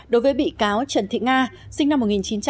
đối với bị cáo trần thị nga sinh năm một nghìn chín trăm bảy mươi bảy